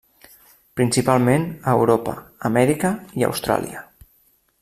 Principalment, a Europa, Amèrica i Austràlia.